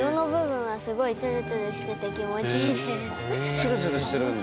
ツルツルしてるんだ。